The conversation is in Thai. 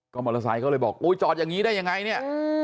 ก็มอเตอร์ไซค์เขาเลยบอกจอดอย่างนี้ได้ยังไง